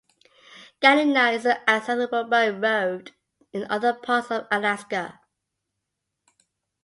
Galena is inaccessible by road to other parts of Alaska.